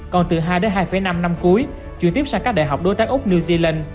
còn từ hai đến hai năm năm cuối chuyển tiếp sang các đại học đối tác úc new zealand